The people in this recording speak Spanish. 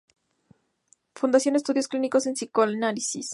Fundación estudios clínicos en psicoanálisis.